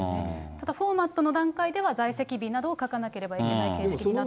ただ、フォーマットの段階では、在籍日などを書かなければいけない形式になっていると。